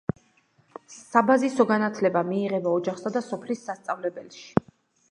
საბაზისო განათლება მიიღო ოჯახსა და სოფლის სასწავლებელში.